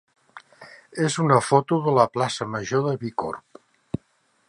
és una foto de la plaça major de Bicorb.